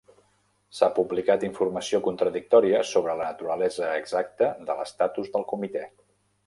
S'ha publicat informació contradictòria sobre la naturalesa exacta de l'estatus del comitè.